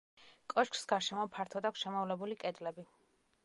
კოშკს გარშემო ფართოდ აქვს შემოვლებული კედლები.